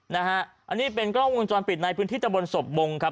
นะฮะอันนี้เป็นกล้องวงจรปิดในพื้นที่ตะบนศพบงครับ